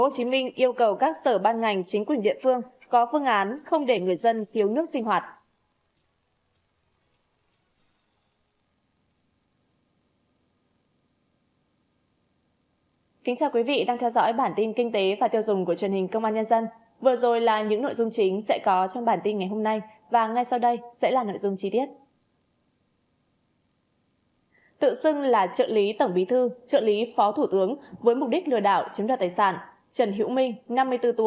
tùy ban nhân dân tp hcm yêu cầu các sở ban ngành chính quyền địa phương có phương án không để người dân thiếu nước sinh hoạt